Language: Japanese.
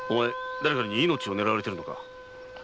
誰かに命を狙われているのか？